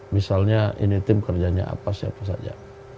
misalnya ini tim kerjanya apa siapa saja